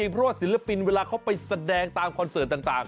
เพราะว่าศิลปินเวลาเขาไปแสดงตามคอนเสิร์ตต่าง